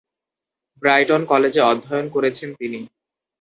Brighton কলেজে অধ্যয়ন করেছেন তিনি।